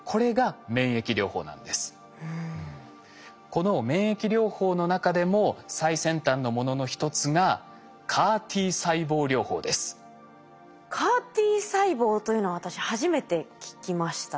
この免疫療法の中でも最先端のものの一つがＣＡＲ−Ｔ細胞というのは私初めて聞きました。